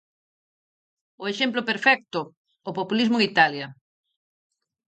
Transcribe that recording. O exemplo perfecto: o populismo en Italia.